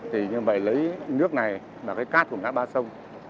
thì như vậy lấy nước này là cái cát của ngã ba sông